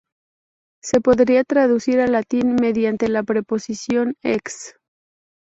Se podría traducir al latín mediante la preposición "ex".